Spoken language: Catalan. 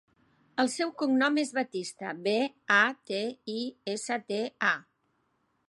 El seu cognom és Batista: be, a, te, i, essa, te, a.